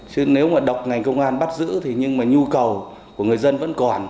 chứ nếu mà độc ngành công an bắt giữ thì nhưng mà nhu cầu của người dân vẫn còn